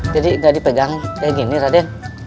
jadi gak dipegang kayak gini radhe